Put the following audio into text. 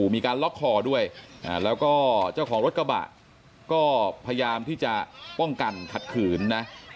มีการล็อกคอด้วยแล้วก็เจ้าของรถกระบะก็พยายามที่จะป้องกันขัดขืนนะ